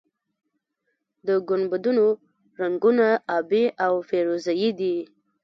د ګنبدونو رنګونه ابي او فیروزه یي دي.